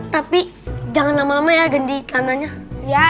tapi jangan lama lama ya ganti tanahnya ya